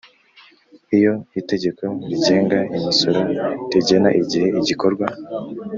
Iyo itegeko rigenga imisoro rigena igihe igikorwa